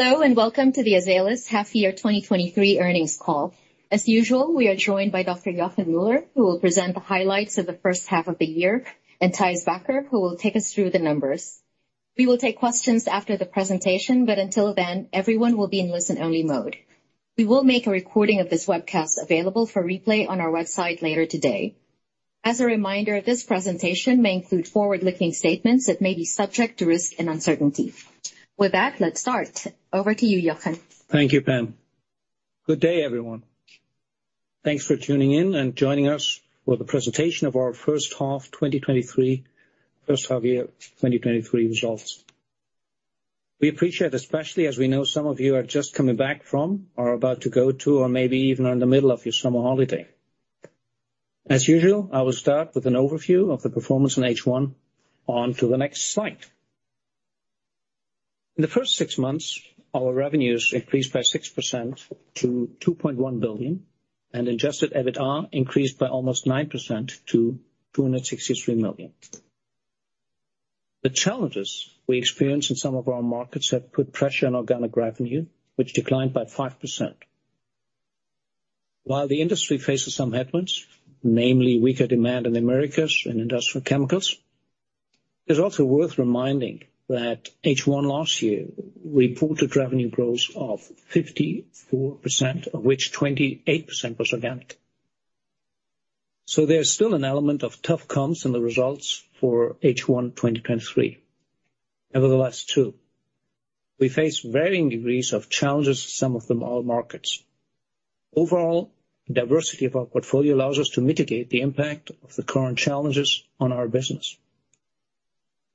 Hello, and welcome to the Azelis half year 2023 earnings call. As usual, we are joined by Dr. Joachim Müller, who will present the highlights of the first half of the year, and Thijs Bakker, who will take us through the numbers. We will take questions after the presentation, but until then, everyone will be in listen-only mode. We will make a recording of this webcast available for replay on our website later today. As a reminder, this presentation may include forward-looking statements that may be subject to risk and uncertainty. With that, let's start. Over to you, Joachim. Thank you, Pam. Good day, everyone. Thanks for tuning in and joining us for the presentation of our first half, 2023, first half year 2023 results. We appreciate, especially as we know some of you are just coming back from or about to go to or maybe even are in the middle of your summer holiday. As usual, I will start with an overview of the performance in H1. On to the next slide. In the first six months, our revenues increased by 6% to 2.1 billion, and Adjusted EBITDA increased by almost 9% to 263 million. The challenges we experienced in some of our markets have put pressure on organic revenue, which declined by 5%. While the industry faces some headwinds, namely weaker demand in the Americas and Industrial Chemicals, it's also worth reminding that H1 last year reported revenue growth of 54%, of which 28% was organic. There's still an element of tough comps in the results for H1 2023. Nevertheless, too, we face varying degrees of challenges, some of them our markets. Overall, diversity of our portfolio allows us to mitigate the impact of the current challenges on our business.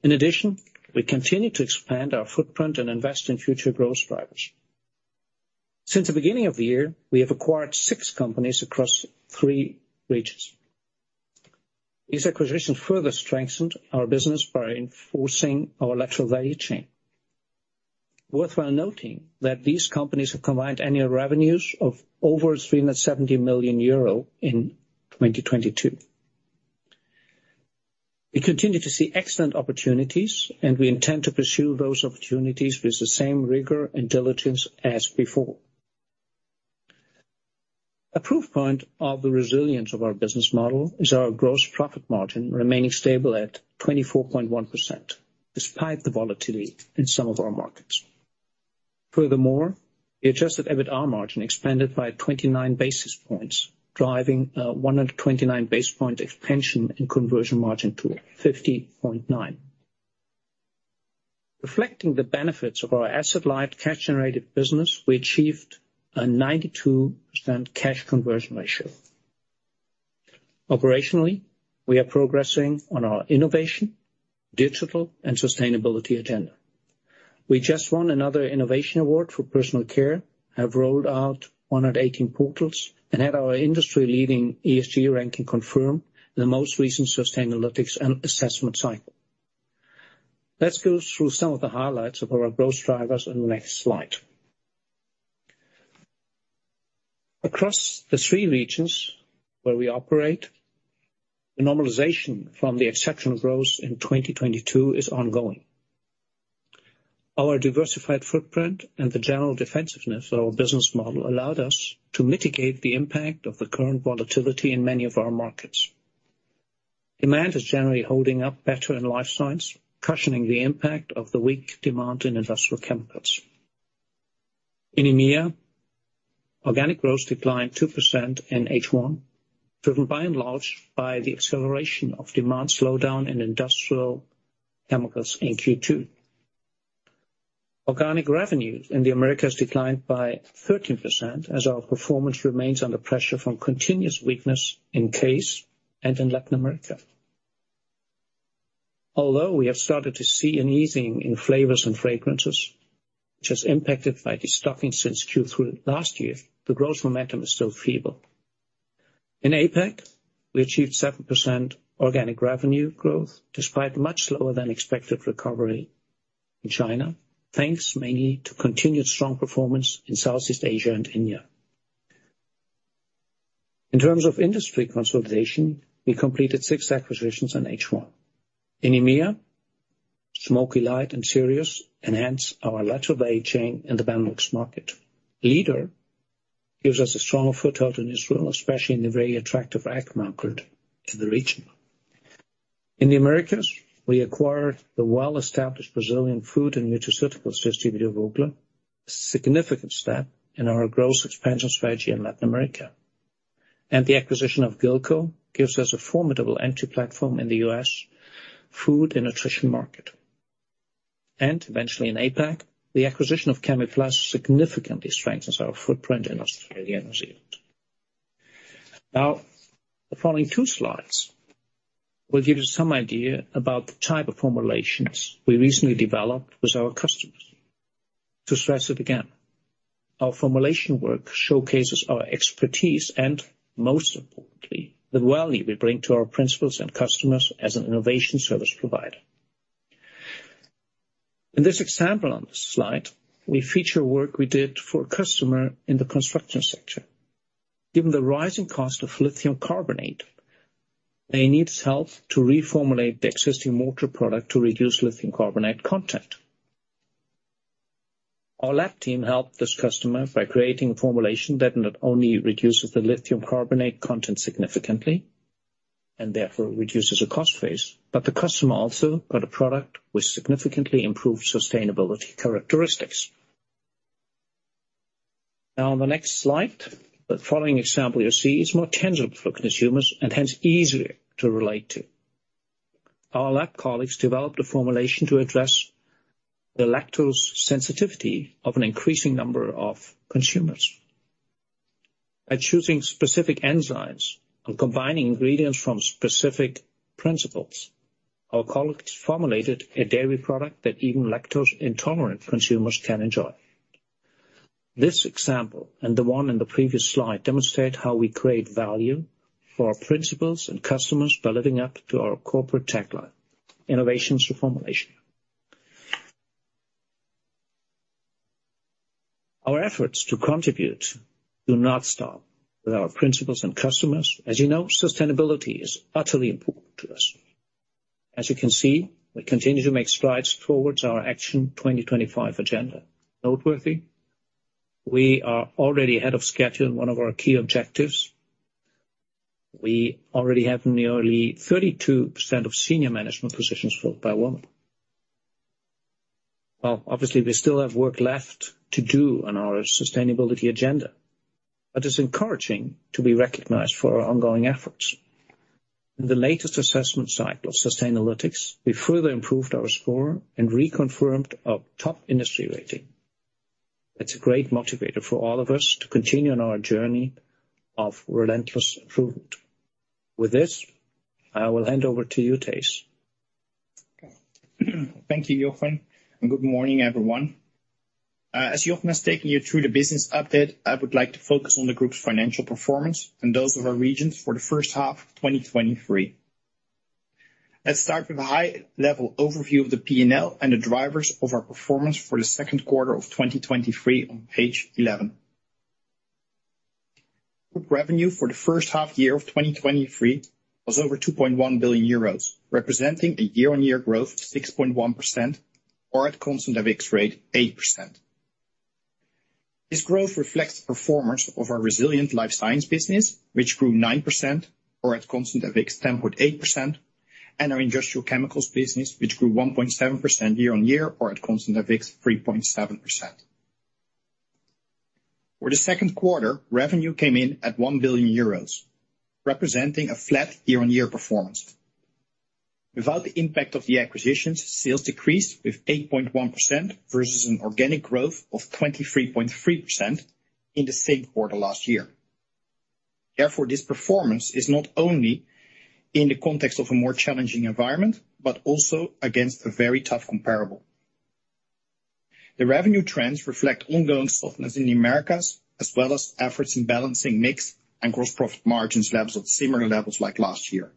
In addition, we continue to expand our footprint and invest in future growth drivers. Since the beginning of the year, we have acquired six companies across three regions. These acquisitions further strengthened our business by enforcing our lateral value chain. Worthwhile noting that these companies have combined annual revenues of over 370 million euro in 2022. We continue to see excellent opportunities, we intend to pursue those opportunities with the same rigor and diligence as before. A proof point of the resilience of our business model is our gross profit margin remaining stable at 24.1%, despite the volatility in some of our markets. Furthermore, the Adjusted EBITDA margin expanded by 29 basis points, driving 129 basis point expansion in conversion margin to 50.9. Reflecting the benefits of our asset-light cash-generated business, we achieved a 92% cash conversion ratio. Operationally, we are progressing on our innovation, digital, and sustainability agenda. We just won another innovation award for Personal Care, have rolled out 118 portals, and had our industry-leading ESG ranking confirmed in the most recent Sustainalytics and assessment cycle. Let's go through some of the highlights of our growth drivers on the next slide. Across the three regions where we operate, the normalization from the exceptional growth in 2022 is ongoing. Our diversified footprint and the general defensiveness of our business model allowed us to mitigate the impact of the current volatility in many of our markets. Demand is generally holding up better in Life Science, cushioning the impact of the weak demand in Industrial Chemicals. In EMEA, organic growth declined 2% in H1, driven by and large by the acceleration of demand slowdown in Industrial Chemicals in Q2. Organic revenues in the Americas declined by 13%, as our performance remains under pressure from continuous weakness in CASE and in Latin America. Although we have started to see an easing in Flavors & Fragrances, which was impacted by destocking since Q3 last year, the growth momentum is still feeble. In APAC, we achieved 7% organic revenue growth, despite much lower than expected recovery in China, thanks mainly to continued strong performance in Southeast Asia and India. In terms of industry consolidation, we completed six acquisitions in H1. In EMEA, Smoky Light and Sirius enhance our lateral value chain in the Benelux market. Lidorr gives us a stronger foothold in Israel, especially in the very attractive ag market in the region. In the Americas, we acquired the well-established Brazilian food and nutraceuticals distributor, Vogler, a significant step in our growth expansion strategy in Latin America. The acquisition of Gillco gives us a formidable entry platform in the U.S. Food & Nutrition market. Eventually in APAC, the acquisition of Chemiplas significantly strengthens our footprint in Australia and New Zealand. Now, the following two slides will give you some idea about the type of formulations we recently developed with our customers. To stress it again, our formulation work showcases our expertise, and most importantly, the value we bring to our principals and customers as an innovation service provider. In this example on this slide, we feature work we did for a customer in the construction sector. Given the rising cost of lithium carbonate, they need help to reformulate the existing mortar product to reduce lithium carbonate content. Our lab team helped this customer by creating a formulation that not only reduces the lithium carbonate content significantly, and therefore reduces the cost base, but the customer also got a product with significantly improved sustainability characteristics. Now on the next slide, the following example you see is more tangible for consumers and hence easier to relate to. Our lab colleagues developed a formulation to address the lactose sensitivity of an increasing number of consumers. By choosing specific enzymes and combining ingredients from specific principles, our colleagues formulated a dairy product that even lactose intolerant consumers can enjoy. This example, and the one in the previous slide, demonstrate how we create value for our principals and customers by living up to our corporate tagline, "Innovation through formulation." Our efforts to contribute do not stop with our principals and customers. As you know, sustainability is utterly important to us. As you can see, we continue to make strides towards our Action 2025 agenda. Noteworthy, we are already ahead of schedule in one of our key objectives. We already have nearly 32% of senior management positions filled by women. Obviously, we still have work left to do on our Sustainability agenda, but it's encouraging to be recognized for our ongoing efforts. In the latest assessment cycle, Sustainalytics, we further improved our score and reconfirmed our top industry rating. It's a great motivator for all of us to continue on our journey of relentless improvement. With this, I will hand over to you, Thijs. Thank you, Joachim, and good morning, everyone. As Joachim has taken you through the business update, I would like to focus on the Group's financial performance and those of our regions for the first half of 2023. Let's start with a high-level overview of the P&L and the drivers of our performance for the second quarter of 2023 on page 11. Group revenue for the first half year of 2023 was over 2.1 billion euros, representing a year-on-year growth of 6.1%, or at constant FX rate, 8%. This growth reflects the performance of our resilient Life Science business, which grew 9%, or at constant FX, 10.8%, and our Industrial Chemicals business, which grew 1.7% year-on-year, or at constant FX, 3.7%. For the second quarter, revenue came in at 1 billion euros, representing a flat year-on-year performance. Without the impact of the acquisitions, sales decreased with 8.1% versus an organic growth of 23.3% in the same quarter last year. This performance is not only in the context of a more challenging environment, but also against a very tough comparable. The revenue trends reflect ongoing softness in the Americas, as well as efforts in balancing mix and gross profit margins levels at similar levels like last year.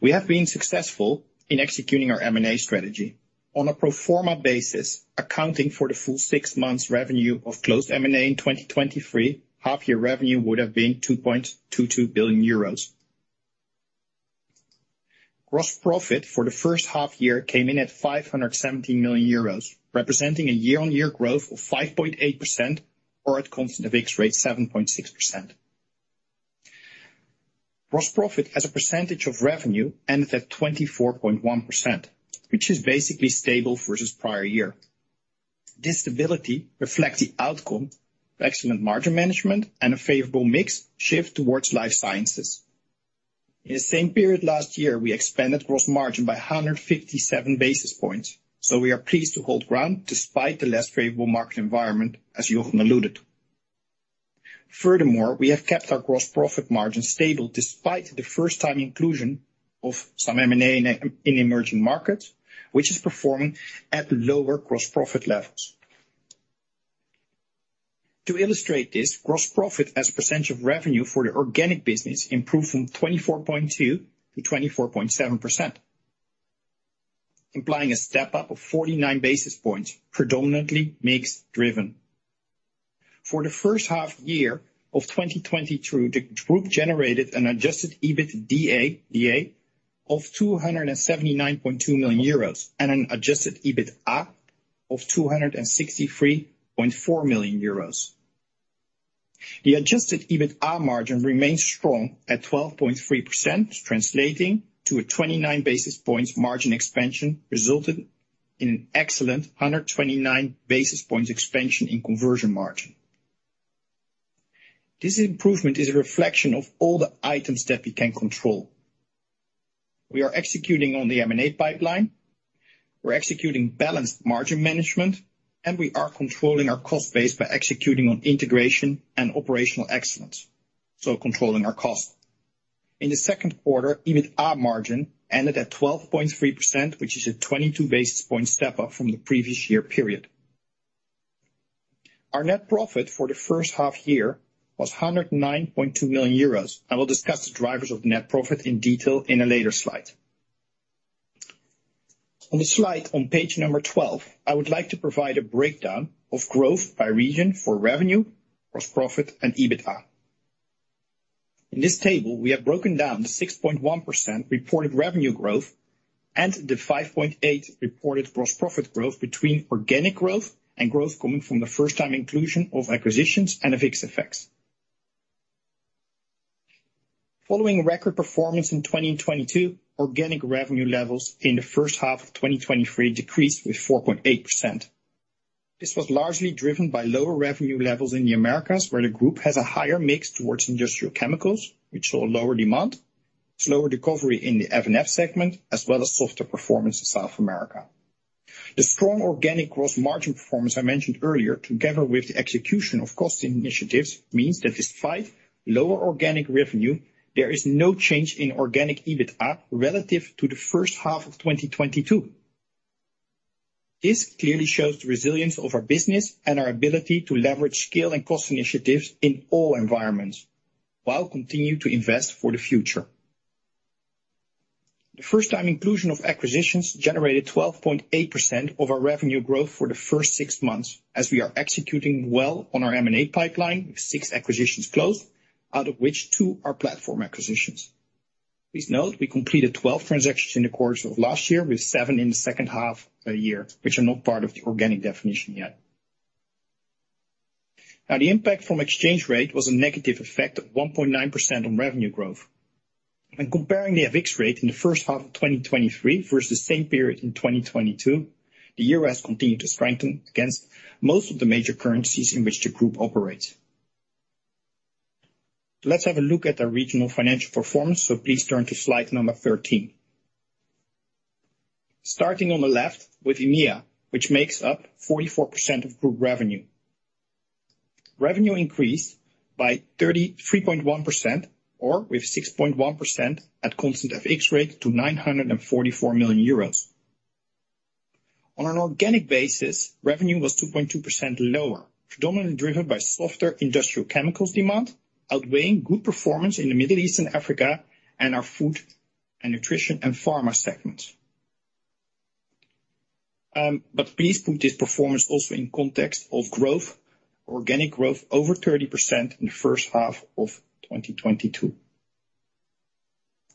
We have been successful in executing our M&A strategy. On a pro forma basis, accounting for the full six months revenue of closed M&A in 2023, half year revenue would have been 2.22 billion euros. Gross profit for the first half year came in at 517 million euros, representing a year-on-year growth of 5.8%, or at constant FX rate, 7.6%. Gross profit as a percentage of revenue ended at 24.1%, which is basically stable versus prior year. This stability reflects the outcome of excellent margin management and a favorable mix shift towards Life Sciences. In the same period last year, we expanded gross margin by 157 basis points, so we are pleased to hold ground despite the less favorable market environment, as Joachim alluded. Furthermore, we have kept our gross profit margin stable despite the first time inclusion of some M&A in emerging markets, which is performing at lower gross profit levels. To illustrate this, gross profit as a percentage of revenue for the organic business improved from 24.2% to 24.7%, implying a step up of 49 basis points, predominantly mix driven. For the first half year of 2022, the Group generated an Adjusted EBITDA of 279.2 million euros and an Adjusted EBITDA of 263.4 million euros. The Adjusted EBITDA margin remains strong at 12.3%, translating to a 29 basis points margin expansion, resulting in an excellent 129 basis points expansion in conversion margin. This improvement is a reflection of all the items that we can control. We are executing on the M&A pipeline, we're executing balanced margin management, we are controlling our cost base by executing on integration and operational excellence, so controlling our cost. In the second quarter, EBITDA margin ended at 12.3%, which is a 22 basis point step up from the previous year period. Our net profit for the first half year was 109.2 million euros. I will discuss the drivers of net profit in detail in a later slide. On the slide on page 12, I would like to provide a breakdown of growth by region for revenue, gross profit, and EBITDA. In this table, we have broken down the 6.1% reported revenue growth and the 5.8% reported gross profit growth between organic growth and growth coming from the first time inclusion of acquisitions and FX effects. Following record performance in 2022, organic revenue levels in H1 2023 decreased with 4.8%. This was largely driven by lower revenue levels in the Americas, where the Group has a higher mix towards Industrial Chemicals, which saw lower demand, slower recovery in the F&F segment, as well as softer performance in South America. The strong organic gross margin performance I mentioned earlier, together with the execution of cost initiatives, means that despite lower organic revenue, there is no change in organic EBITDA relative to the first half of 2022. This clearly shows the resilience of our business and our ability to leverage scale and cost initiatives in all environments, while continuing to invest for the future. The first time inclusion of acquisitions generated 12.8% of our revenue growth for the first six months, as we are executing well on our M&A pipeline, with six acquisitions closed, out of which two are platform acquisitions. Please note, we completed 12 transactions in the course of last year, with seven in the second half of the year, which are not part of the organic definition yet. The impact from exchange rate was a negative effect of 1.9% on revenue growth. When comparing the FX rate in the first half of 2023 versus the same period in 2022, the euro has continued to strengthen against most of the major currencies in which the Group operates. Let's have a look at the regional financial performance, so please turn to slide number 13. Starting on the left with EMEA, which makes up 44% of Group revenue. Revenue increased by 33.1%, or with 6.1% at constant FX rate to 944 million euros. On an organic basis, revenue was 2.2% lower, predominantly driven by softer Industrial Chemicals demand, outweighing Group performance in the Middle East and Africa, and our Food & Nutrition and Pharma segments. please put this performance also in context of growth, organic growth over 30% in the first half of 2022.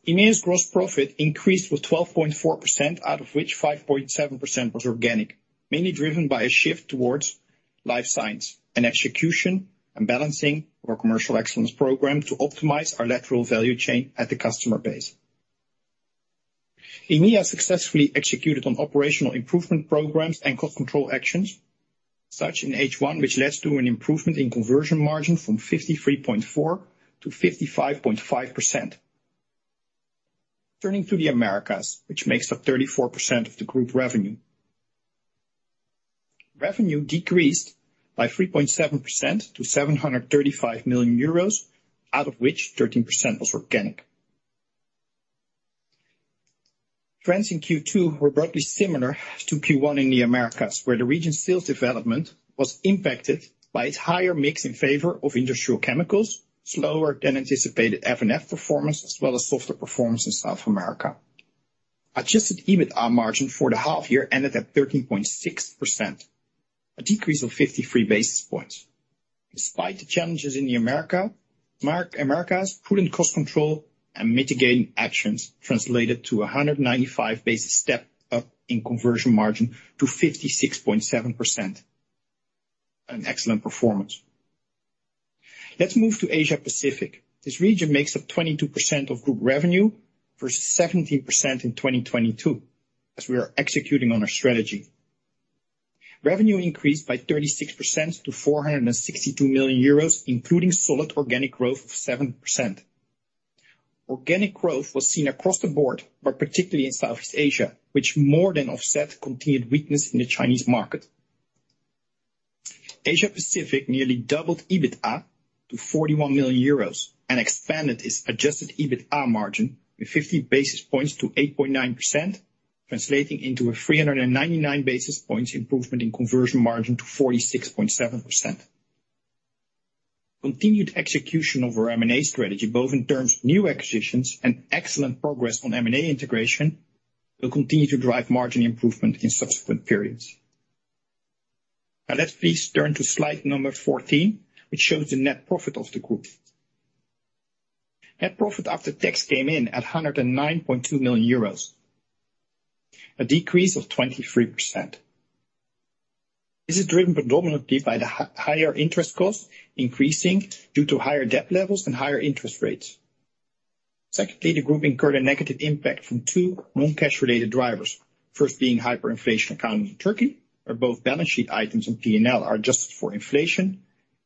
EMEA's gross profit increased with 12.4%, out of which 5.7% was organic, mainly driven by a shift towards Life Science and execution and balancing our commercial excellence program to optimize our lateral value chain at the customer base. EMEA successfully executed on operational improvement programs and cost control actions, such in H1, which led to an improvement in conversion margin from 53.4% to 55.5%. Turning to the Americas, which makes up 34% of the Group revenue. Revenue decreased by 3.7% to 735 million euros, out of which 13% was organic. Trends in Q2 were broadly similar to Q1 in the Americas, where the region's sales development was impacted by its higher mix in favor of Industrial Chemicals, slower than anticipated F&F performance, as well as softer performance in South America. Adjusted EBITDA margin for the half year ended at 13.6%, a decrease of 53 basis points. Despite the challenges in the Americas, prudent cost control and mitigating actions translated to a 195 basis step up in conversion margin to 56.7%. An excellent performance. Let's move to Asia Pacific. This region makes up 22% of Group revenue, versus 17% in 2022, as we are executing on our strategy. Revenue increased by 36% to 462 million euros, including solid organic growth of 7%. Organic growth was seen across the board, but particularly in Southeast Asia, which more than offset continued weakness in the Chinese market. Asia Pacific nearly doubled EBITDA to 41 million euros and expanded its Adjusted EBITDA margin with 50 basis points to 8.9%, translating into a 399 basis points improvement in conversion margin to 46.7%. Continued execution of our M&A strategy, both in terms of new acquisitions and excellent progress on M&A integration, will continue to drive margin improvement in subsequent periods. Now, let's please turn to slide number 14, which shows the net profit of the Group. Net profit after tax came in at 109.2 million euros, a decrease of 23%. This is driven predominantly by higher interest costs, increasing due to higher debt levels and higher interest rates. Secondly, the Group incurred a negative impact from two non-cash related drivers. First being hyperinflation accounting in Turkey, where both balance sheet items and P&L are adjusted for inflation,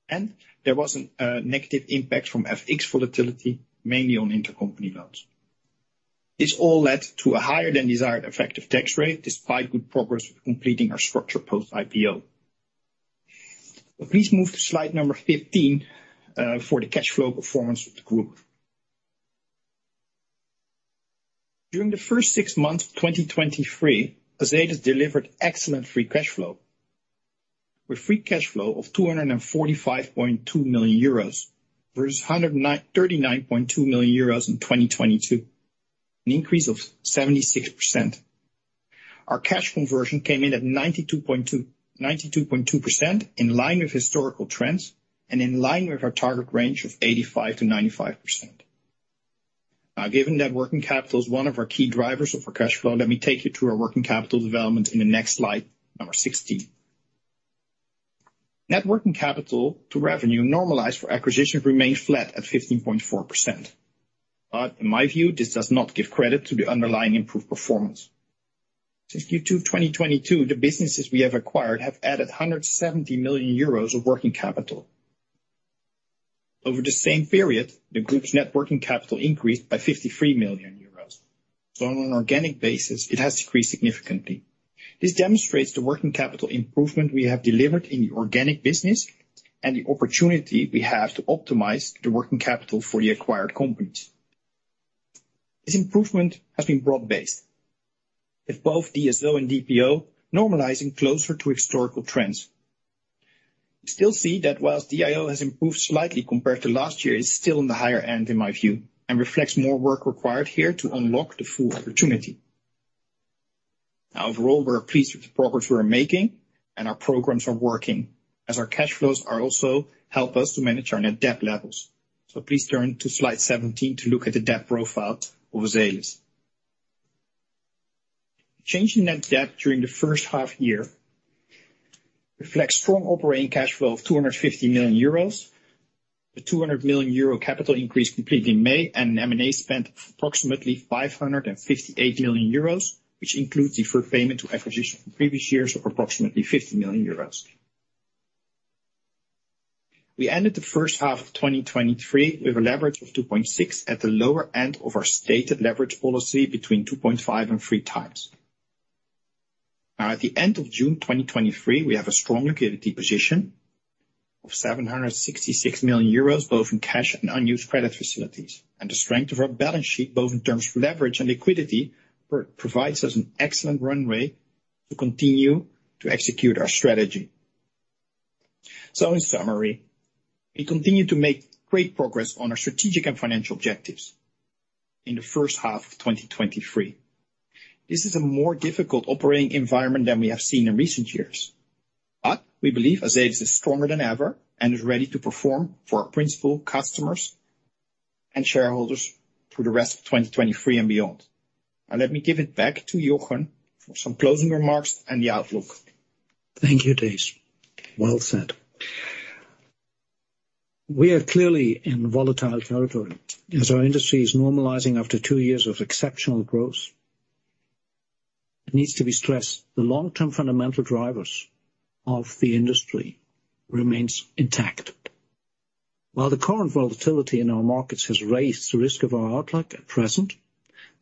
and there was a negative impact from FX volatility, mainly on intercompany loans. This all led to a higher than desired effective tax rate, despite good progress with completing our structure post-IPO. Please move to slide number 15 for the cash flow performance of the Group. During the first six months of 2023, Azelis delivered excellent free cash flow with free cash flow of 245.2 million euros, versus 139.2 million euros in 2022, an increase of 76%. Our cash conversion came in at 92.2, 92.2%, in line with historical trends and in line with our target range of 85%-95%. Given that working capital is one of our key drivers of our cash flow, let me take you through our working capital development in the next slide, number 16. Net working capital to revenue normalized for acquisitions remained flat at 15.4%. In my view, this does not give credit to the underlying improved performance. Since Q2 of 2022, the businesses we have acquired have added 170 million euros of working capital. Over the same period, the Group's net working capital increased by 53 million euros. On an organic basis, it has decreased significantly. This demonstrates the working capital improvement we have delivered in the organic business and the opportunity we have to optimize the working capital for the acquired companies. This improvement has been broad-based, with both DSO and DPO normalizing closer to historical trends. We still see that whilst DIO has improved slightly compared to last year, it's still on the higher end, in my view, and reflects more work required here to unlock the full opportunity. Overall, we're pleased with the progress we are making, and our programs are working, as our cash flows are also help us to manage our net debt levels. Please turn to slide 17 to look at the debt profile of Azelis. Change in net debt during the first half-year reflects strong operating cash flow of 250 million euros, the 200 million euro capital increase completed in May, and an M&A spend of approximately 558 million euros, which includes deferred payment to acquisitions from previous years of approximately 50 million euros. We ended H1 2023 with a leverage of 2.6x at the lower end of our stated leverage policy between 2.5x and 3x. Now, at the end of June 2023, we have a strong liquidity position of 766 million euros, both in cash and unused credit facilities. The strength of our balance sheet, both in terms of leverage and liquidity, provides us an excellent runway to continue to execute our strategy. In summary, we continue to make great progress on our strategic and financial objectives in the first half of 2023. This is a more difficult operating environment than we have seen in recent years, but we believe Azelis is stronger than ever and is ready to perform for our principal customers and shareholders through the rest of 2023 and beyond. Now let me give it back to Joachim for some closing remarks and the outlook. Thank you, Thijs. Well said. We are clearly in volatile territory as our industry is normalizing after two years of exceptional growth. It needs to be stressed, the long-term fundamental drivers of the industry remains intact. While the current volatility in our markets has raised the risk of our outlook at present,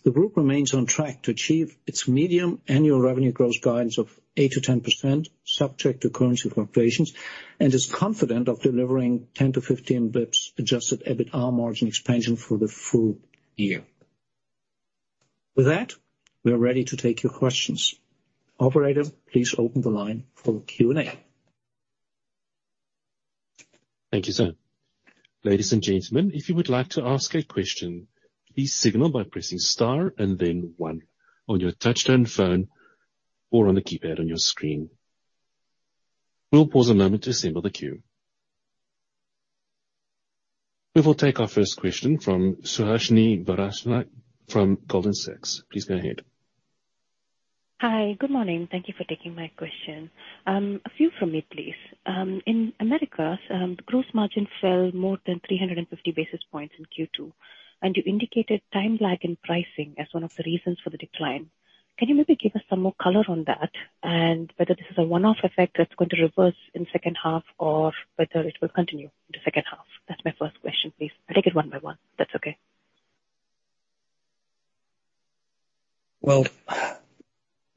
the Group remains on track to achieve its medium annual revenue growth guidance of 8%-10%, subject to currency fluctuations, and is confident of delivering 10bips-15bips Adjusted EBITDA margin expansion for the full year. With that, we are ready to take your questions. Operator, please open the line for Q&A. Thank you, sir. Ladies and gentlemen, if you would like to ask a question, please signal by pressing star and then one on your touchtone phone or on the keypad on your screen. We'll pause a moment to assemble the queue. We will take our first question from Suhasini Varanasi from Goldman Sachs. Please go ahead. Hi, good morning. Thank you for taking my question. A few from me, please. In Americas, the gross margin fell more than 350 basis points in Q2, and you indicated time lag in pricing as one of the reasons for the decline. Can you maybe give us some more color on that, and whether this is a one-off effect that's going to reverse in second half or whether it will continue in the second half? That's my first question, please. I'll take it one by one, if that's okay.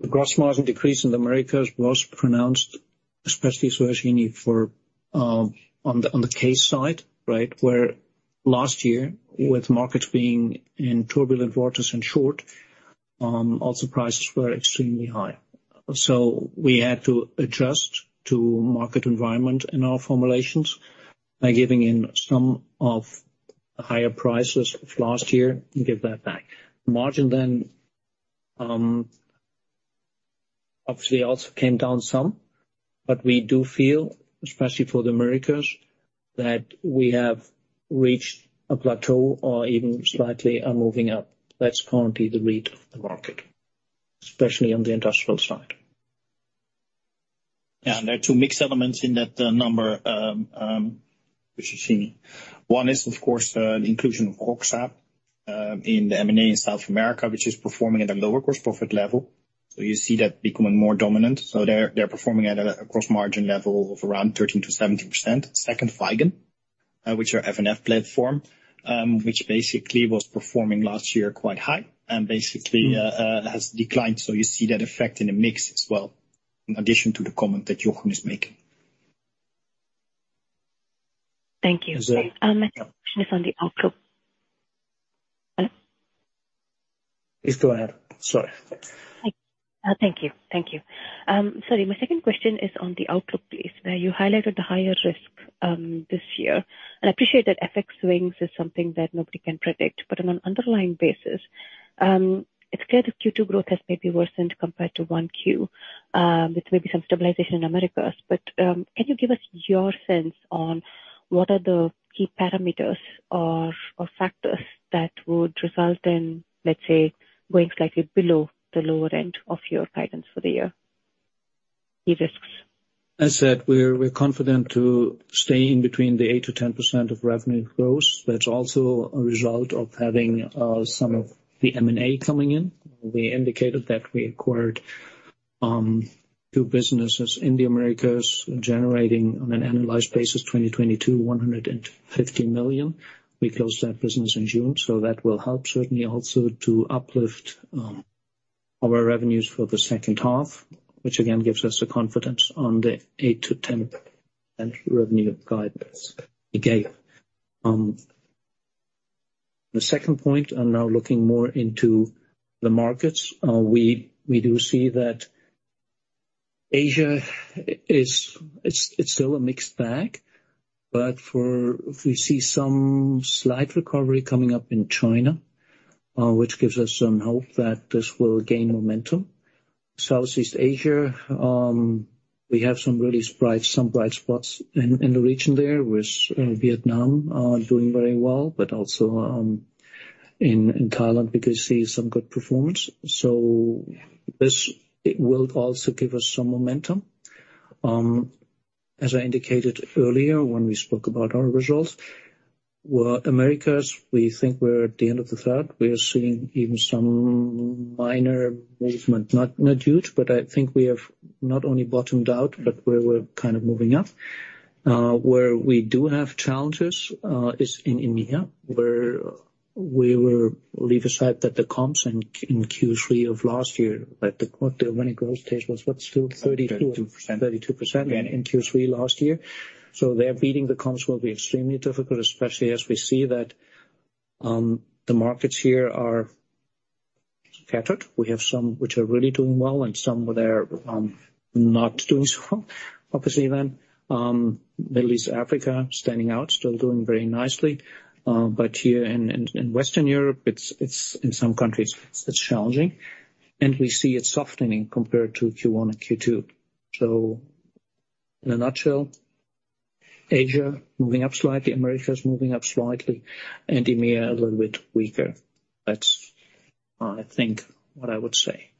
The gross margin decrease in the Americas was pronounced, especially, Suhasini, for on the CASE side, right, where last year, with markets being in turbulent waters in short, also prices were extremely high. We had to adjust to market environment in our formulations by giving in some of the higher prices of last year and give that back. Margin then, obviously also came down some, but we do feel, especially for the Americas, that we have reached a plateau or even slightly are moving up. That's currently the read of the market, especially on the Industrial side. Yeah, there are two mix elements in that number, which you're seeing. One is, of course, the inclusion of ROCSA, in the M&A in South America, which is performing at a lower gross profit level. You see that becoming more dominant. They're performing at a gross margin level of around 13%-17%. Second, Vigon, which are F&F platform, which basically was performing last year quite high and basically, has declined. You see that effect in the mix as well, in addition to the comment that Joachim is making. Thank you. My question is on the outlook. Hello? Please go ahead. Sorry. Hi. Thank you. Thank you. Sorry, my second question is on the outlook, please, where you highlighted the higher risk this year. I appreciate that FX swings is something that nobody can predict, on an underlying basis, it's clear that Q2 growth has maybe worsened compared to 1Q, with maybe some stabilization in Americas. Can you give us your sense on what are the key parameters or factors that would result in, let's say, going slightly below the lower end of your guidance for the year? Key risks. I said we're confident to stay in between the 8%-10% of revenue growth. That's also a result of having some of the M&A coming in. We indicated that we acquired two businesses in the Americas, generating on an annualized basis, 2022, $150 million. We closed that business in June, that will help certainly also to uplift our revenues for the second half, which again, gives us the confidence on the 8%-10% revenue guidance we gave. The second point, I'm now looking more into the markets. We do see that Asia is, it's still a mixed bag, but we see some slight recovery coming up in China, which gives us some hope that this will gain momentum. Southeast Asia, we have some really bright, some bright spots in, in the region there, with Vietnam doing very well, but also in Thailand, we can see some good performance. This, it will also give us some momentum. As I indicated earlier, when we spoke about our results, where Americas, we think we're at the end of the third. We are seeing even some minor movement, not, not huge, but I think we have not only bottomed out, but we're, we're kind of moving up. Where we do have challenges is in EMEA, where we were leave aside that the comps in Q3 of last year, but the, what the winning growth stage was, what, still 32? 32%. 32% in Q3 last year. There beating the comps will be extremely difficult, especially as we see that the markets here are scattered. We have some which are really doing well and some where they're not doing so well. Obviously, Middle East, Africa, standing out, still doing very nicely. Here in Western Europe, it's in some countries, it's challenging, and we see it softening compared to Q1 and Q2. In a nutshell, Asia moving up slightly, Americas moving up slightly, and EMEA a little bit weaker. That's, I think, what I would say.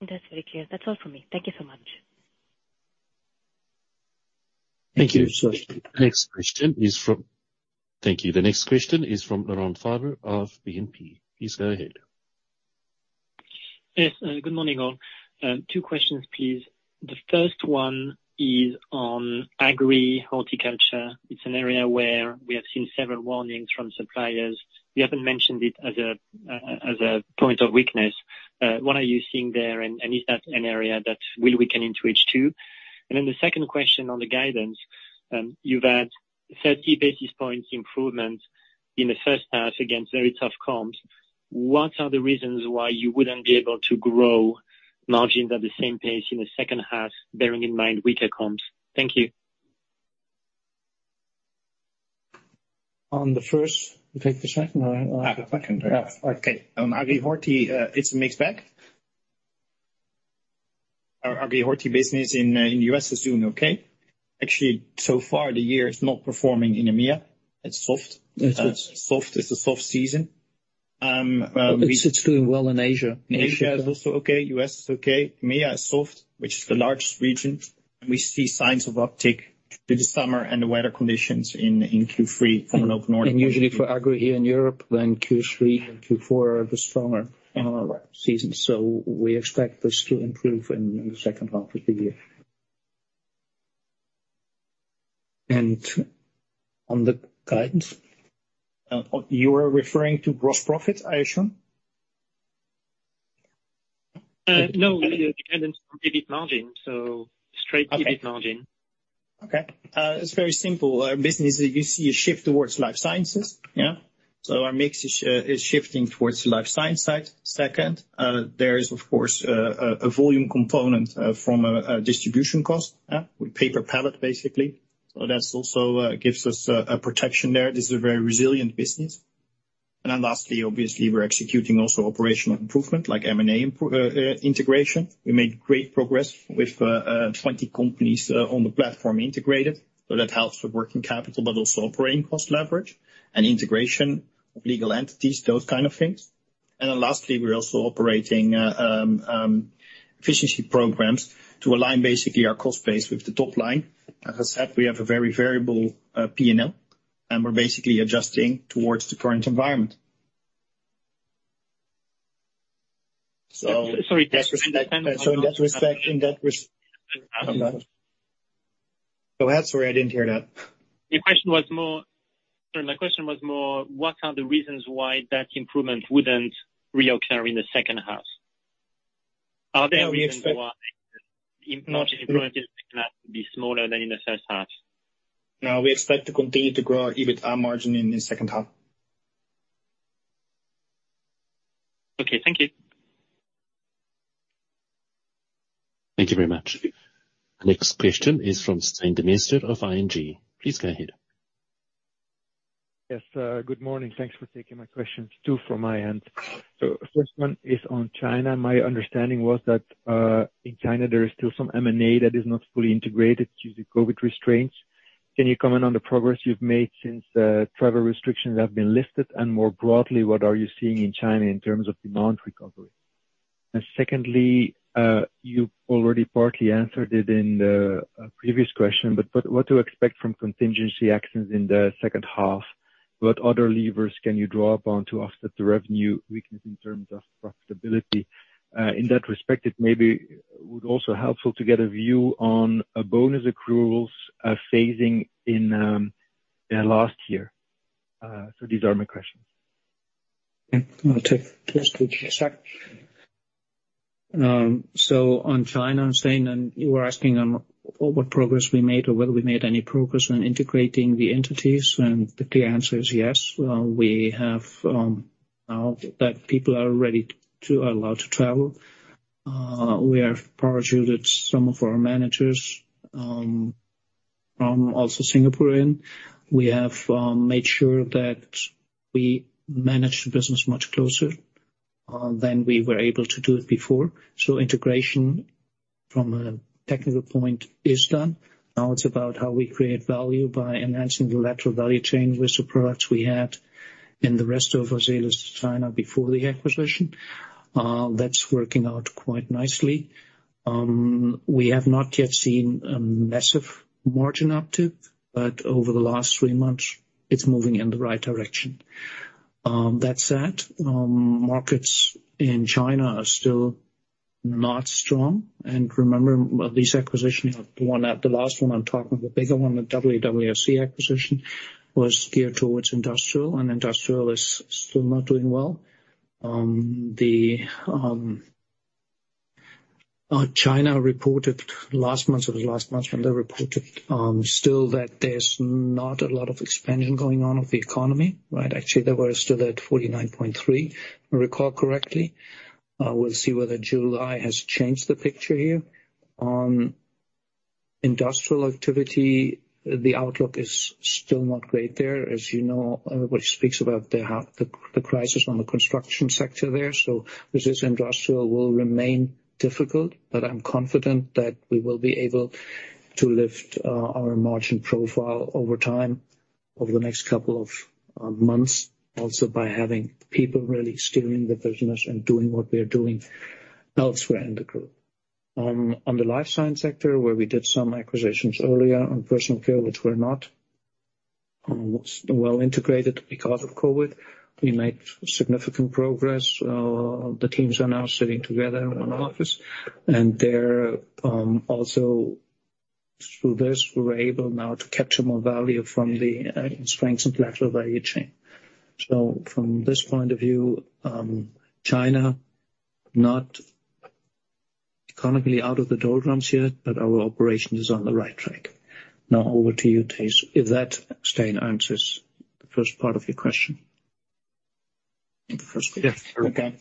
That's very clear. That's all for me. Thank you so much. Thank you Suhasini. The next question is from... Thank you. The next question is from Laurent Favre of BNP. Please go ahead. Yes, good morning, all. Two questions, please. The first one is on Agri/Horticulture. It's an area where we have seen several warnings from suppliers. We haven't mentioned it as a, as a point of weakness. What are you seeing there, and, and is that an area that will weaken into H2? The second question on the guidance, you've had 30 basis points improvement in the first half against very tough comps. What are the reasons why you wouldn't be able to grow margins at the same pace in the second half, bearing in mind weaker comps? Thank you. On the first, you take the second or? I'll take the second. Yeah. Okay. On Agri/Horti, it's a mixed bag. Our Agri/Horti business in, in the U.S. is doing okay. Actually, so far, the year is not performing in EMEA. It's soft. It's soft. It's a soft season. well- It's doing well in Asia. Asia is also okay, U.S. is okay. EMEA is soft, which is the largest region, and we see signs of uptick in the summer and the weather conditions in, in Q3 from the north. Usually for Agri here in Europe, then Q3 and Q4 are the stronger seasons. We expect this to improve in the second half of the year. On the guidance, you are referring to gross profits, I assume? No, guidance from EBIT margin, so straight EBIT margin. Okay. It's very simple. Our business, you see a shift towards Life Sciences, yeah. Our mix is shifting towards the Life Science side. Second, there is, of course, a volume component from a distribution cost, yeah, with paper pallet, basically. That's also gives us a protection there. This is a very resilient business. Lastly, obviously, we're executing also operational improvement like M&A improv-integration. We made great progress with 20 companies on the platform integrated. That helps with working capital, but also operating cost leverage and integration of legal entities, those kind of things. Lastly, we're also operating efficiency programs to align basically our cost base with the top line. As I said, we have a very variable P&L, and we're basically adjusting towards the current environment. Sorry. In that respect. Go ahead, sorry, I didn't hear that. The question was Sorry, my question was more, what are the reasons why that improvement wouldn't reoccur in the second half? Are there we expect, not be smaller than in the first half? No, we expect to continue to grow our EBITA margin in the second half. Okay, thank you. Thank you very much. The next question is from Stijn Demeester of ING. Please go ahead. Yes, good morning. Thanks for taking my questions, 2 from my end. First one is on China. My understanding was that in China, there is still some M&A that is not fully integrated due to COVID restraints. Can you comment on the progress you've made since travel restrictions have been lifted, and more broadly, what are you seeing in China in terms of demand recovery? Secondly, you already partly answered it in the previous question, but what to expect from contingency actions in the second half? What other levers can you draw upon to offset the revenue weakness in terms of profitability? In that respect, it maybe would also helpful to get a view on a bonus accruals phasing in the last year. These are my questions. I'll take this too, sir. So on China, I'm saying, and you were asking on what progress we made or whether we made any progress on integrating the entities, and the clear answer is yes. We have, now that people are ready to, are allowed to travel, we have parachuted some of our managers from also Singapore in. We have made sure that we manage the business much closer than we were able to do it before. Integration from a technical point is done. Now it's about how we create value by enhancing the lateral value chain with the products we had in the rest of Azelis China before the acquisition. That's working out quite nicely. We have not yet seen a massive margin uptick, but over the last three months, it's moving in the right direction. That said, markets in China are still not strong, and remember, these acquisitions, the one at the last one, I'm talking the bigger one, the WWRC acquisition, was geared towards industrial, and industrial is still not doing well. The China reported last month, or the last month when they reported, still that there's not a lot of expansion going on of the economy, right? Actually, they were still at 49.3, if I recall correctly. We'll see whether July has changed the picture here. On industrial activity, the outlook is still not great there. As you know, everybody speaks about the crisis on the construction sector there, business industrial will remain difficult. I'm confident that we will be able to lift our margin profile over time, over the next couple of months, also by having people really steering the business and doing what we are doing elsewhere in the Group. On the Life Science sector, where we did some acquisitions earlier on Personal Care, which were not well integrated because of COVID, we made significant progress. The teams are now sitting together in one office, and they're also, through this, we're able now to capture more value from the strengths and lateral value chain. From this point of view, China, not economically out of the doldrums yet, but our operation is on the right track. Now over to you, Thijs. If that, Stijn, answers the first part of your question. The first question. Yes. Okay.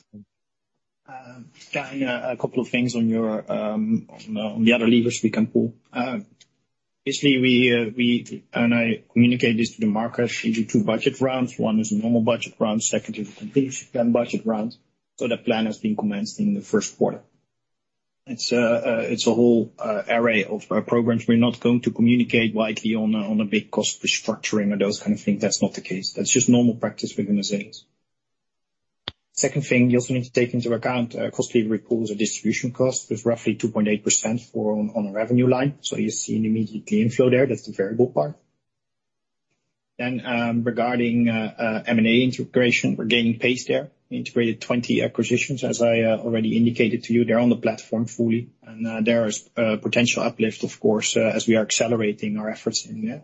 A couple of things on your, on the other levers we can pull. Basically, we, we, and I communicate this to the market, usually two budget rounds. One is a normal budget round, second is a completion budget round. The plan has been commenced in the first quarter. It's a, it's a whole array of programs. We're not going to communicate widely on a, on a big cost restructuring or those kind of things. That's not the case. That's just normal practice within Azelis. Second thing, you also need to take into account costly recalls or distribution costs, with roughly 2.8% for on, on a revenue line. You see an immediate gain flow there, that's the variable part. Regarding M&A integration, we're gaining pace there. We integrated 20 acquisitions, as I already indicated to you. They're on the platform fully, and there is a potential uplift, of course, as we are accelerating our efforts in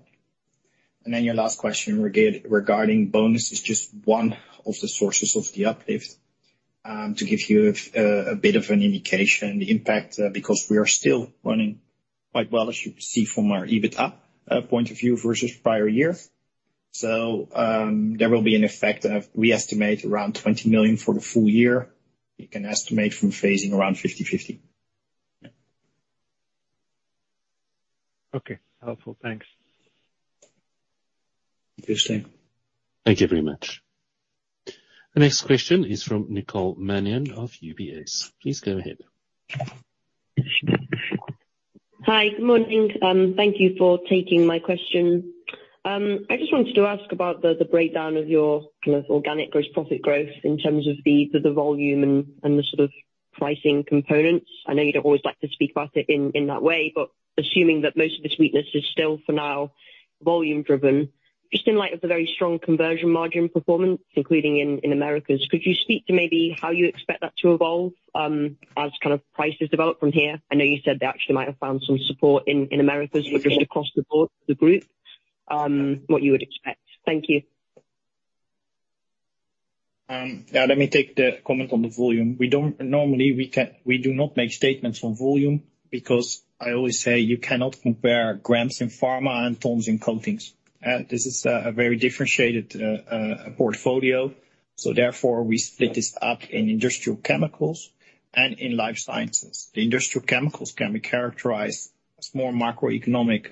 there. Your last question regarding bonus is just one of the sources of the uplift. To give you a bit of an indication, the impact, because we are still running quite well, as you can see from our EBITDA point of view versus prior year. There will be an effect of, we estimate, around 20 million for the full year. You can estimate from phasing around 50/50. Okay, helpful. Thanks. Thank you, Stijn. Thank you very much. The next question is from Nicole Manion of UBS. Please go ahead. Hi, good morning. Thank you for taking my question. I just wanted to ask about the breakdown of your kind of organic gross profit growth in terms of the volume and the sort of pricing components. I know you don't always like to speak about it in that way, but assuming that most of this weakness is still, for now, volume driven, just in light of the very strong conversion margin performance, including in Americas, could you speak to maybe how you expect that to evolve, as prices develop from here? I know you said they actually might have found some support in Americas, but just across the board, the Group, what you would expect? Thank you.... Now let me take the comment on the volume. We don't-- normally, we can, we do not make statements on volume because I always say you cannot compare grams in Pharma and tons in Coatings. This is a very differentiated portfolio, so therefore we split this up in Industrial Chemicals and in Life Sciences. The Industrial Chemicals can be characterized as more macroeconomic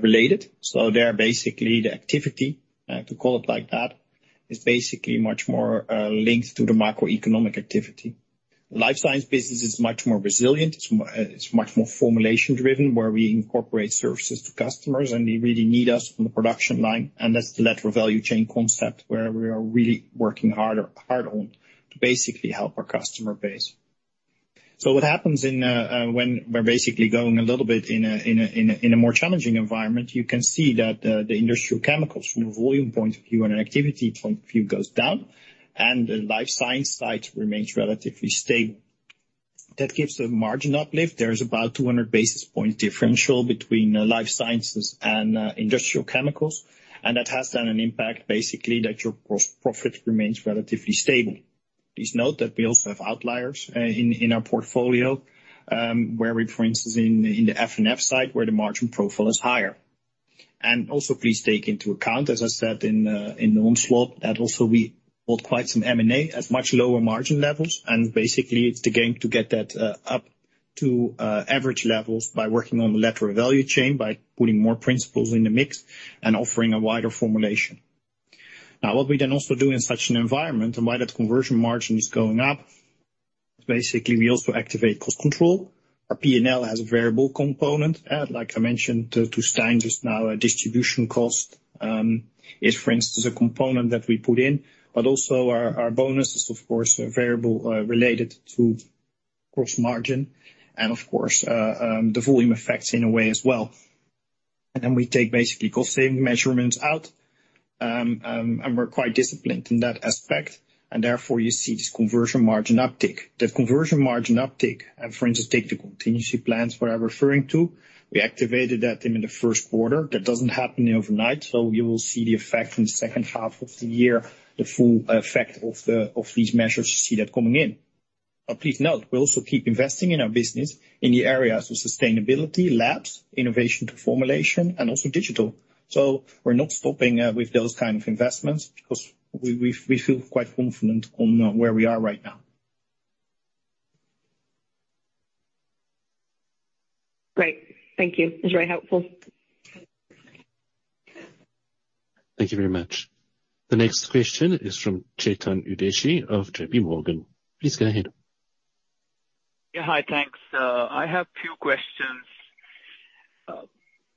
related. They are basically the activity, to call it like that, is basically much more linked to the macroeconomic activity. The Life Science business is much more resilient. It's much more formulation driven, where we incorporate services to customers, and they really need us on the production line, and that's the lateral value chain concept where we are really working harder, hard on to basically help our customer base. What happens when we're basically going a little bit in a, in a, in a, in a more challenging environment, you can see that the Industrial Chemicals from a volume point of view and an activity point of view goes down, and the Life Science side remains relatively stable. That gives a margin uplift. There's about 200 basis point differential between Life Sciences and Industrial Chemicals, and that has then an impact, basically, that your gross profit remains relatively stable. Please note that we also have outliers in our portfolio, where we, for instance, in the F&F side, where the margin profile is higher. Also, please take into account, as I said, in the own slot, that also we hold quite some M&A at much lower margin levels. Basically it's the game to get that up to average levels by working on the lateral value chain, by putting more principles in the mix and offering a wider formulation. What we then also do in such an environment, and why that conversion margin is going up, basically, we also activate cost control. Our P&L has a variable component. Like I mentioned to, to Stijn just now, a distribution cost is, for instance, a component that we put in, but also our, our bonuses, of course, are variable related to gross margin and of course, the volume effects in a way as well. Then we take basically cost saving measurements out, and we're quite disciplined in that aspect, and therefore you see this conversion margin uptick. The conversion margin uptick, for instance, take the contingency plans what I'm referring to, we activated that in the first quarter. That doesn't happen overnight, you will see the effect in the second half of the year, the full effect of these measures, you see that coming in. Please note, we also keep investing in our business in the areas of sustainability, labs, innovation to formulation, and also digital. We're not stopping with those kind of investments because we feel quite confident on where we are right now. Great. Thank you. It's very helpful. Thank you very much. The next question is from Chetan Udeshi of JPMorgan. Please go ahead. Yeah, hi, thanks. I have two questions.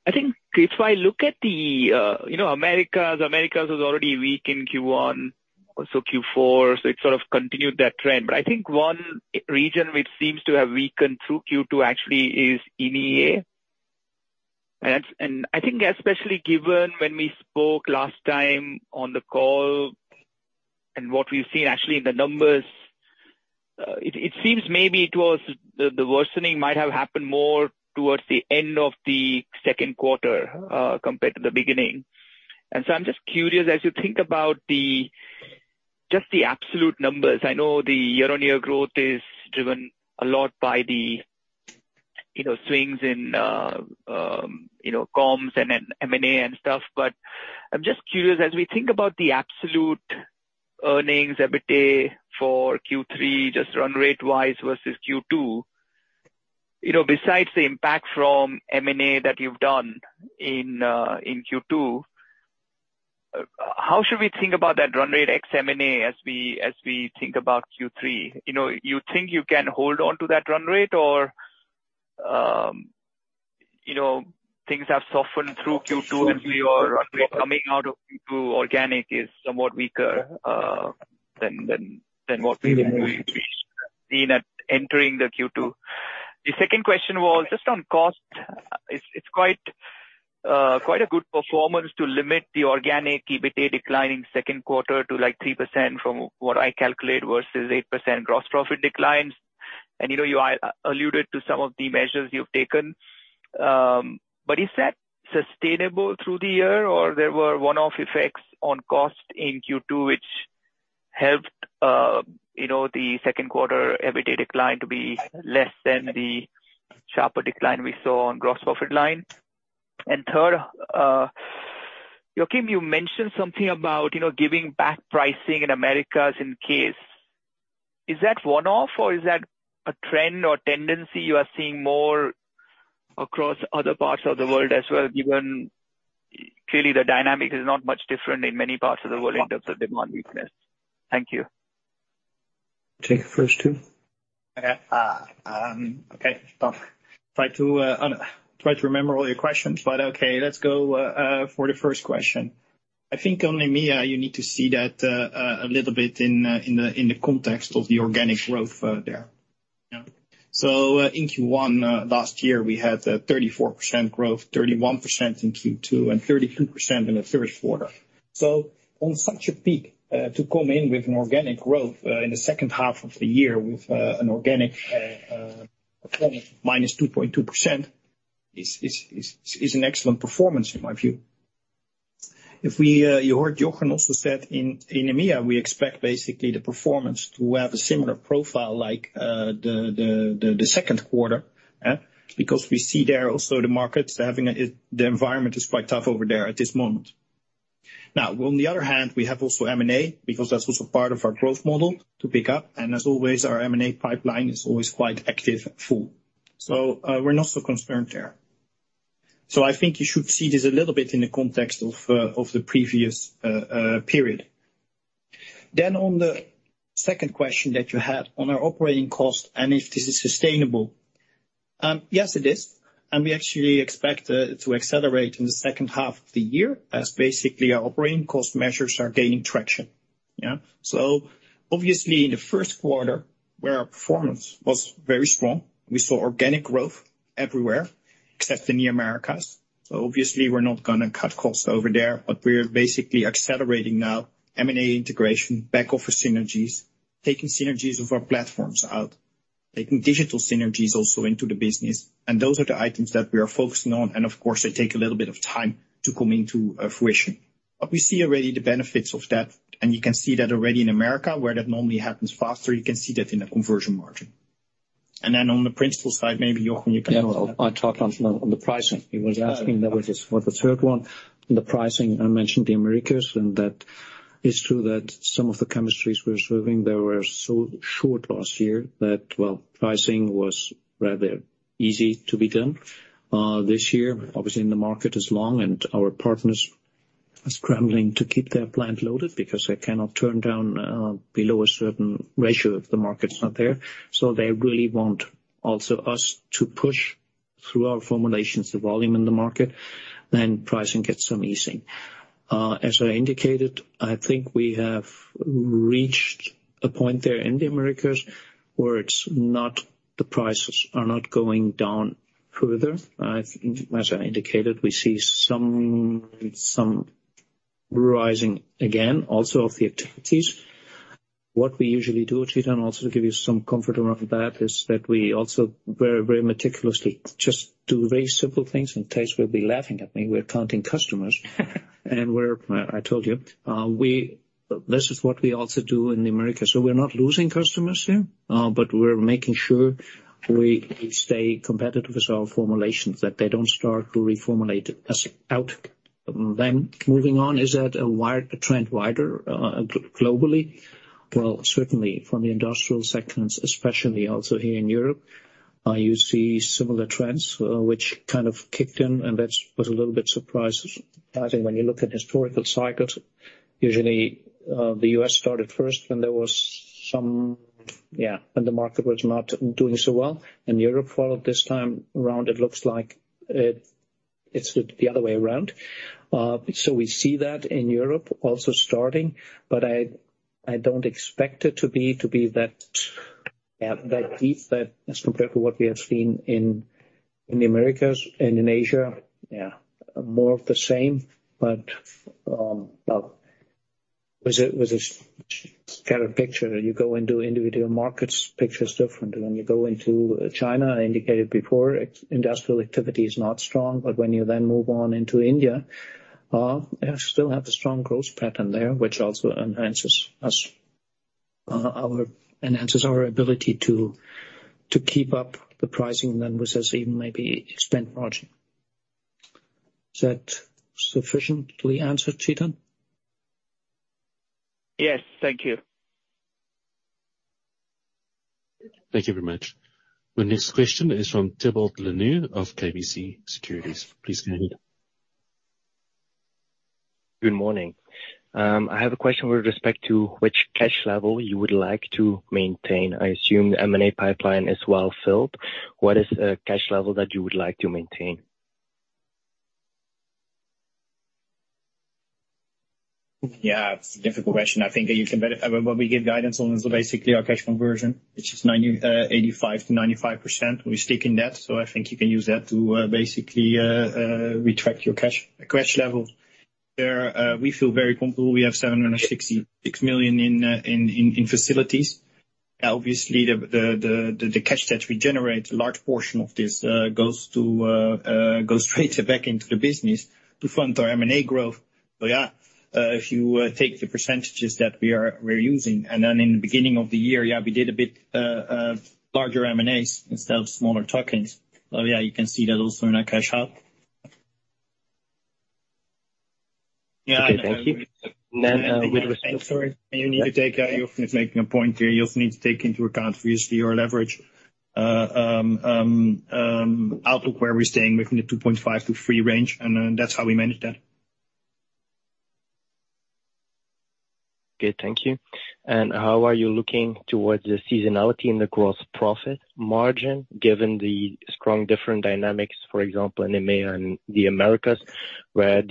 I think if I look at the, you know, Americas, Americas was already weak in Q1, also Q4, so it sort of continued that trend. I think one region which seems to have weakened through Q2 actually is EMEA. I think especially given when we spoke last time on the call and what we've seen actually in the numbers, it, it seems maybe it was the, the worsening might have happened more towards the end of the second quarter, compared to the beginning. So I'm just curious, as you think about the, just the absolute numbers, I know the year-on-year growth is driven a lot by the, you know, swings in, you know, comms and in M&A and stuff. I'm just curious, as we think about the absolute earnings EBITDA for Q3, just run rate wise versus Q2, you know, besides the impact from M&A that you've done in Q2, how should we think about that run rate ex-M&A as we, as we think about Q3? You know, you think you can hold on to that run rate or, you know, things have softened through Q2, and we are coming out of Q2, organic is somewhat weaker than what we've seen at entering the Q2. The second question was just on cost. It's, it's quite, quite a good performance to limit the organic EBITDA decline in second quarter to, like, 3% from what I calculate, versus 8% gross profit declines. You know, you alluded to some of the measures you've taken, but is that sustainable through the year, or there were one-off effects on cost in Q2, which helped, you know, the second quarter EBITDA decline to be less than the sharper decline we saw on gross profit line? Third, Joachim, you mentioned something about, you know, giving back pricing in Americas in CASE. Is that one-off, or is that a trend or tendency you are seeing more across other parts of the world as well, given clearly the dynamic is not much different in many parts of the world in terms of demand weakness? Thank you. Take the first two. Okay. Okay, try to try to remember all your questions, but okay, let's go for the first question. I think only, EMEA, you need to see that a little bit in the context of the organic growth there. Yeah. In Q1 last year, we had a 34% growth, 31% in Q2, and 32% in the third quarter. On such a peak, to come in with an organic growth in the second half of the year with an organic -2.2% is an excellent performance, in my view. If we, you heard Joachim also said in EMEA, we expect basically the performance to have a similar profile like the second quarter, eh? Because we see there also the markets having a, the environment is quite tough over there at this moment. Now, on the other hand, we have also M&A, because that's also part of our growth model to pick up, and as always, our M&A pipeline is always quite active and full. We're not so concerned there. I think you should see this a little bit in the context of the previous period. On the second question that you had on our operating cost and if this is sustainable. Yes, it is, and we actually expect to accelerate in the second half of the year, as basically our operating cost measures are gaining traction. Yeah? Obviously, in the first quarter, where our performance was very strong, we saw organic growth everywhere, except in the Americas. Obviously, we're not gonna cut costs over there, but we're basically accelerating now M&A integration, back office synergies, taking synergies of our platforms out, taking digital synergies also into the business. Those are the items that we are focusing on, and of course, they take a little bit of time to come into fruition. We see already the benefits of that, and you can see that already in Americas, where that normally happens faster, you can see that in the conversion margin. Then on the principal side, maybe, Joachim, you can. Yeah, I'll talk on the, on the pricing. He was asking that was for the third one. On the pricing, I mentioned the Americas, and that is true that some of the chemistries we're serving, they were so short last year that, well, pricing was rather easy to be done. This year, obviously the market is long, and our partners are scrambling to keep their plant loaded because they cannot turn down, below a certain ratio if the market's not there. They really want also us to push through our formulations, the volume in the market, then pricing gets some easing. As I indicated, I think we have reached a point there in the Americas where it's not, the prices are not going down further. I think, as I indicated, we see some, some rising again, also of the activities. What we usually do, Chetan, also to give you some comfort around that, is that we also very, very meticulously just do very simple things, and Thijs will be laughing at me. We're counting customers. We're, I told you, this is what we also do in the Americas. We're not losing customers there, but we're making sure we, we stay competitive with our formulations, that they don't start to reformulate as out them. Moving on, is that a wide, trend wider, globally? Well, certainly from the industrial segments, especially also here in Europe, you see similar trends which kind of kicked in, and that was a little bit surprising. I think when you look at historical cycles, usually, the U.S. started first, Yeah, and the market was not doing so well, and Europe followed. This time around, it looks like it, it's the other way around. We see that in Europe also starting, I, I don't expect it to be, to be that deep, that as compared to what we have seen in the Americas and in Asia. Yeah, more of the same. Well, with the kind of picture, you go into individual markets, picture is different. When you go into China, I indicated before, industrial activity is not strong. When you then move on into India, they still have a strong growth pattern there, which also enhances us, enhances our ability to, to keep up the pricing then with this even maybe expand margin. Does that sufficiently answer, Chetan? Yes. Thank you. Thank you very much. The next question is from Thibault Leneeuw of KBC Securities. Please go ahead. Good morning. I have a question with respect to which cash level you would like to maintain. I assume the M&A pipeline is well filled. What is the cash level that you would like to maintain? Yeah, difficult question. I think that you can better, but what we give guidance on is basically our cash conversion, which is 90%, 85%-95%. We're sticking that, so I think you can use that to basically retract your cash, cash level. There, we feel very comfortable. We have 766 million in facilities. Obviously, the cash that we generate, a large portion of this goes straight back into the business to fund our M&A growth. Yeah, if you take the percentages that we're using, and then in the beginning of the year, yeah, we did a bit larger M&As instead of smaller tokens. Yeah, you can see that also in our cash out. Yeah. Okay, thank you. with respect- Sorry, you need to take, you're making a point there. You also need to take into account obviously our leverage outlook, where we're staying within the 2.5x-3x range, and then that's how we manage that. Okay, thank you. How are you looking towards the seasonality in the gross profit margin, given the strong different dynamics, for example, in EMEA and the Americas, where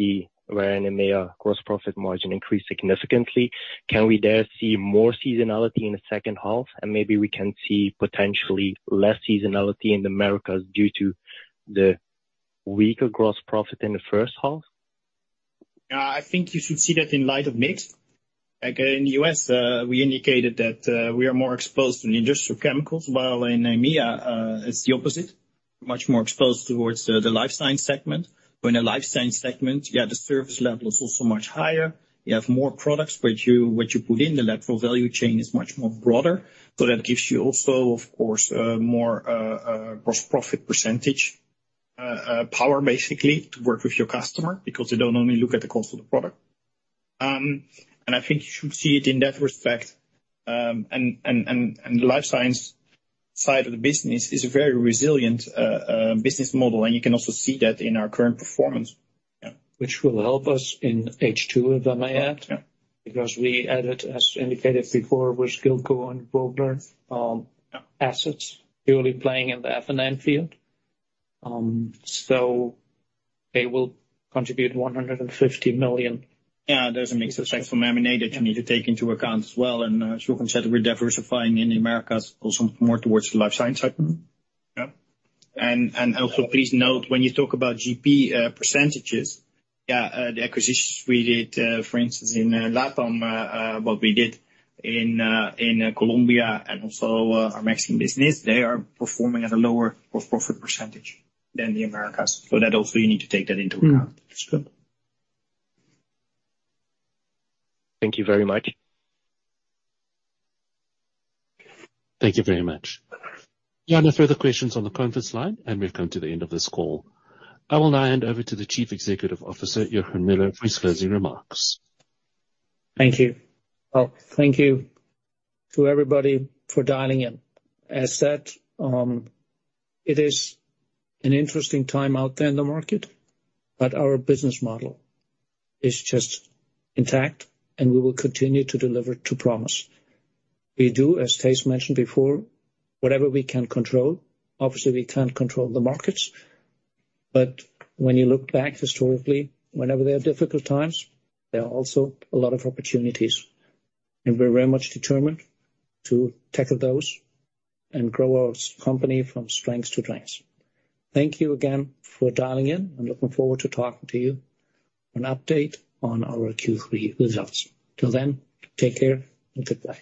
in EMEA gross profit margin increased significantly? Can we there see more seasonality in the second half, and maybe we can see potentially less seasonality in the Americas due to the weaker gross profit in the first half? Yeah, I think you should see that in light of mix. Like, in the U.S., we indicated that we are more exposed to the Industrial Chemicals, while in EMEA, it's the opposite, much more exposed towards the Life Science segment. In the Life Science segment, yeah, the service level is also much higher. You have more products, which you, which you put in. The lateral value chain is much more broader, so that gives you also, of course, more gross profit percentage power, basically, to work with your customer because they don't only look at the cost of the product. I think you should see it in that respect. The Life Science side of the business is a very resilient business model, and you can also see that in our current performance. Yeah. Which will help us in H2, if I may add. Yeah. We added, as indicated before, with Gillco and Vogler, assets purely playing in the F&F field. They will contribute 150 million. Yeah, there's a mix effect from EMEA that you need to take into account as well. Joachim said we're diversifying in the Americas also more towards the Life Science segment. Yeah. when you talk about GP percentages, yeah, the acquisitions we did, for instance, in LATAM, what we did in Colombia and also our Mexican business, they are performing at a lower profit percentage than the Americas. So that also you need to take that into account as well. Thank you very much. Thank you very much. Yeah, no further questions on the conference line, and we've come to the end of this call. I will now hand over to the Chief Executive Officer, Joachim Müller, for his closing remarks. Thank you. Well, thank you to everybody for dialing in. As said, it is an interesting time out there in the market, but our business model is just intact, and we will continue to deliver to promise. We do, as Thijs mentioned before, whatever we can control. Obviously, we can't control the markets, but when you look back historically, whenever there are difficult times, there are also a lot of opportunities, and we're very much determined to tackle those and grow our company from strengths to strengths. Thank you again for dialing in. I'm looking forward to talking to you an update on our Q3 results. Till then, take care, and goodbye.